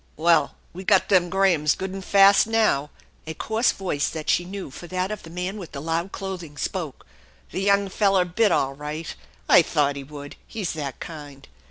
"Well, we got them Grahams good and fast now!" a coarse voice, that she knew for that of the man with the loud clothing, spoke. " The young feller bit all right ! I thought he would. He's that kind."